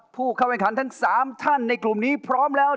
ผู้เข้าแข่งขันทั้ง๓ท่านในกลุ่มนี้พร้อมแล้ว